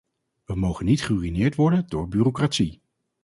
We mogen niet geruïneerd worden door bureaucratie.